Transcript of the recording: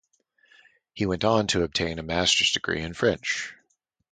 He went on to obtain a master's degree in French.